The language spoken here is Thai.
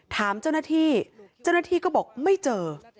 ถามเจ้าหน้าที่เจ้าหน้าที่ก็บอกไม่เจอ